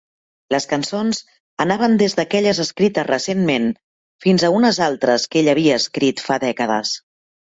Les cançons anaven des d'aquelles escrites recentment, fins a unes altres que ell havia escrit fa dècades.